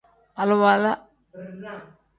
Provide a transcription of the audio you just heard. Aluwala.